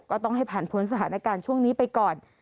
ก็ต้องให้ผ่านพ้นสถานการณ์ช่วงนี้ไปก่อน